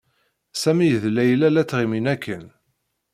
Sami ed Layla la ttɣimin akken.